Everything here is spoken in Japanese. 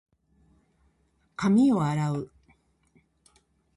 髪を洗う。